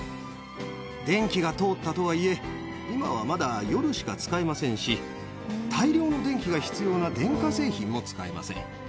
電気が通ったとはいえ、今はまだ夜しか使えませんし、大量の電気が必要な電化製品も使えません。